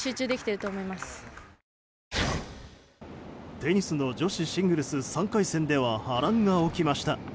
デニスの女子シングルス３回戦では波乱が起きました。